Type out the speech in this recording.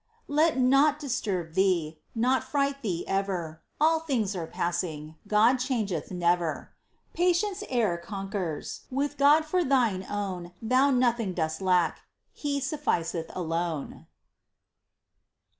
Let naught disturb thee ; Naught fright thee ever ; All things are passing ; God changeth never. Patience e'er conquers ; With God for thine own Thou nothing dost lack — He suííiceth alone